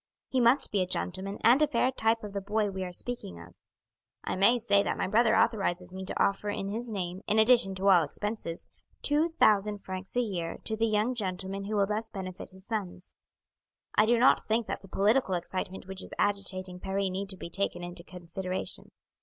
He must be a gentleman and a fair type of the boy we are speaking of. I may say that my brother authorizes me to offer in his name, in addition to all expenses, two thousand francs a year to the young gentleman who will thus benefit his sons. I do not think that the political excitement which is agitating Paris need be taken into consideration.